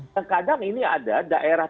terkadang ini ada daerah